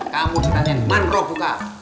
kamu ditanyain manrog buka